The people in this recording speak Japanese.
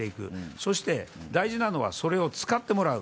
そして、大事なのはそれを使ってもらう。